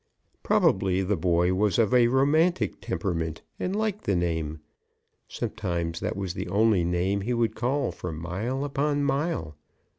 Probably the boy was of a romantic temperament and liked the name. Sometimes that was the only name he would call for mile upon mile.